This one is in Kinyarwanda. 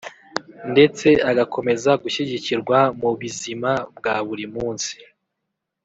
ndetse agakomeza gushyigikirwa mu bizima bwa buri munsi